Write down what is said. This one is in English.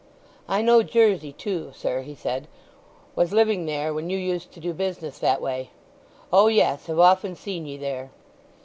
"I know Jersey too, sir," he said. "Was living there when you used to do business that way. O yes—have often seen ye there."